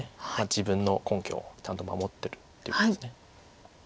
自分の根拠をちゃんと守ってるっていうことです。